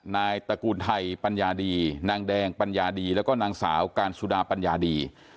ตระกูลไทยปัญญาดีนางแดงปัญญาดีแล้วก็นางสาวการสุดาปัญญาดี